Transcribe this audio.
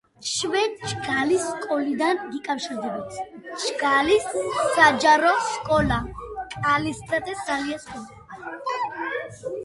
დეპარტამენტს ხელმძღვანელობს უფროსი, რომელსაც თანამდებობაზე ნიშნავს და თანამდებობიდან ათავისუფლებს აზერბაიჯანის რესპუბლიკის პრეზიდენტი.